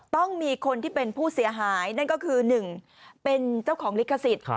ต้องมีคนที่เป็นผู้เสียหายนั่นก็คือ๑เป็นเจ้าของลิขสิทธิ์